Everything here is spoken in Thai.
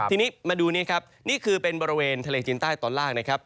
ทีนี้มาดูนี้ครับนี่คือเป็นบริเวณทะเลจีนใต้ตอนล่างนะครับ